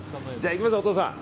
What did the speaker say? いきますね、お父さん。